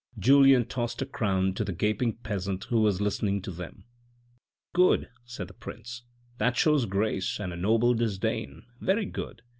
Julien tossed a crown to the gaping peasant who was listening to them. " Good," said the prince, " that shows grace and a noble disdain, very good